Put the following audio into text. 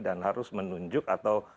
dan harus menunjuk atau